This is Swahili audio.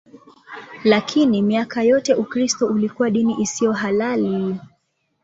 Lakini miaka yote Ukristo ulikuwa dini isiyo halali.